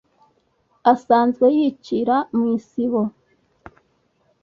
asanzwe yicira mu isibo